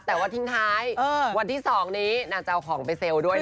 แต่ว่าทิ้งท้ายวันที่๒นี้นางจะเอาของไปเซลล์ด้วย